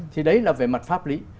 thì đấy là về mặt pháp lý